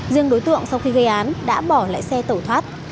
riêng đối tượng sau khi gây án đã bỏ lại xe tẩu thoát